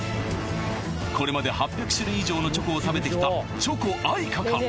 これまで８００種類以上のチョコを食べてきたチョコアイカか？